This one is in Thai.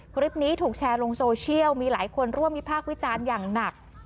คลิปนี้ถูกแชร์ลงโซเชียลมีหลายคนร่วมวิพากษ์วิจารณ์อย่างหนัก